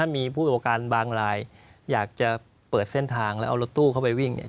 มีผู้อุปกรณ์บางรายอยากจะเปิดเส้นทางแล้วเอารถตู้เข้าไปวิ่ง